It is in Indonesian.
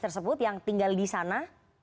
tersebut yang tinggal di sana